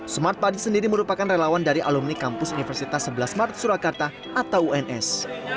smart padi sendiri merupakan relawan dari alumni kampus universitas sebelas maret surakarta atau uns